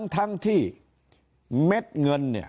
ทั้งที่เม็ดเงินเนี่ย